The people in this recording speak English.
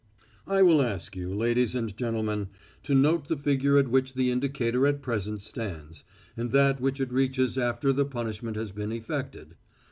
"I will ask you, ladies and gentlemen, to note the figure at which the indicator at present stands, and that which it reaches after the punishment has been effected.